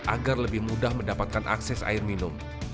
agar lebih mudah mendapatkan akses air minum